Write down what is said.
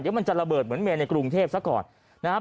เดี๋ยวมันจะระเบิดเหมือนเมนในกรุงเทพซะก่อนนะครับ